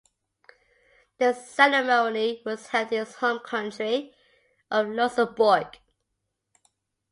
The ceremony was held in his home country of Luxembourg.